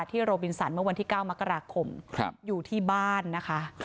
โรบินสันเมื่อวันที่๙มกราคมอยู่ที่บ้านนะคะ